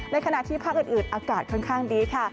ขณะที่ภาคอื่นอากาศค่อนข้างดีค่ะ